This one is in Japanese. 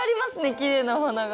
きれいなお花が。